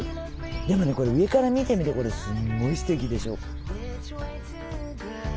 でもねこれ上から見てみるとすごいすてきでしょ。